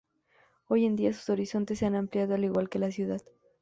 Hoy en día, sus horizontes se han ampliado, al igual que la ciudad.